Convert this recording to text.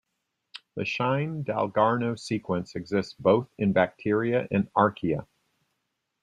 The Shine-Dalgarno sequence exists both in bacteria and archaea.